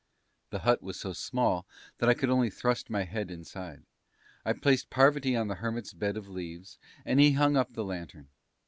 The hut was so small that I could only thrust my head inside. I placed Parvati on the Hermit's bed of leaves, and he hung up the lantern.